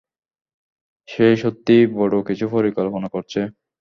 সে সত্যিই বড়ো কিছু পরিকল্পনা করছে।